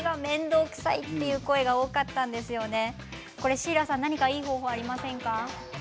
シーラさん何かいい方法ありませんか。